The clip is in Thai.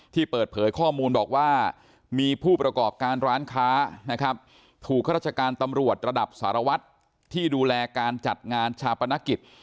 เปิดเผยข้อมูลบอกว่ามีผู้ประกอบการร้านค้านะครับถูกข้าราชการตำรวจระดับสารวัตรที่ดูแลการจัดงานชาปนกิจ